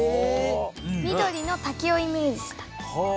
緑の滝をイメージした。